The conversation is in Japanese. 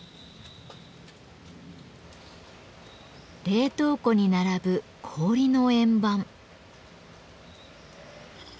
冷凍庫に並ぶ氷の円盤。